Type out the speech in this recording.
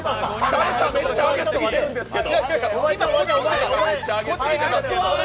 誰かめっちゃ上げすぎてるんですけど！